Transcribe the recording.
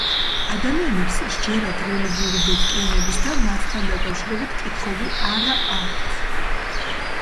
ადამიანებს სჯერათ რელიგიური დოქტრინების და მათთან დაკავშირებით კითხვები არა აქვთ.